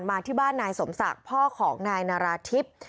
มาที่บ้านนายสมศักดิ์พ่อของนายนาราธิบ